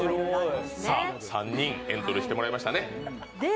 さあ、３人エントリーしてもらいました。